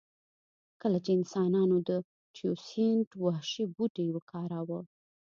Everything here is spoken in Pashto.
کله چې انسانانو د تیوسینټ وحشي بوټی وکاراوه